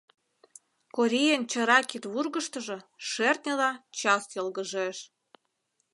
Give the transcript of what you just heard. Корийын чара кидвургыштыжо шӧртньыла час йылгыжеш.